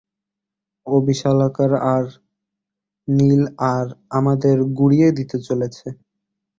ও বিশালাকার আর নীল আর আমাদের গুঁড়িয়ে দিতে চলেছে।